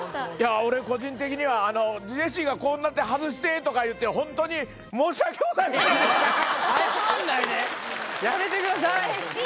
俺個人的にはジェシーがこうなって外してとか言ってホントに謝んないでやめてください